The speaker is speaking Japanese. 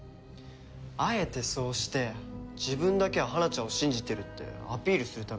あえてそうして自分だけは花ちゃんを信じてるってアピールするための作戦かもしれない。